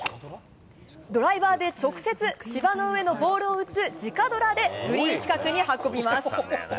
ドライバーで直接、芝の上のボールを打つ、じかドラでグリーン近くに運びます。